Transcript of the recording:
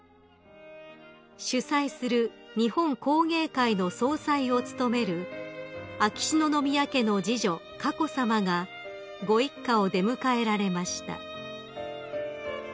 ［主催する日本工芸会の総裁を務める秋篠宮家の次女佳子さまがご一家を出迎えられました］